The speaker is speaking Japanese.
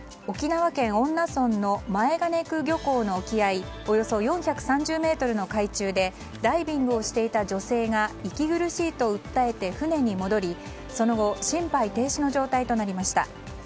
沖縄県恩納村の前兼久漁港の沖合およそ４３０ｍの海中でダイビングをしていた女性が息苦しいと訴えて船に戻りその後、心配停止の状態となりました。